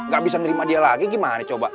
gak bisa nerima dia lagi gimana coba